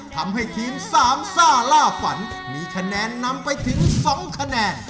ทำให้ทีมสามซ่าล่าฝันมีคะแนนนำไปถึง๒คะแนน